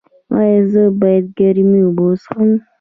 ایا زه باید ګرمې اوبه وڅښم؟